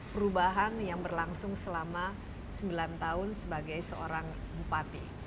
perubahan yang berlangsung selama sembilan tahun sebagai seorang bupati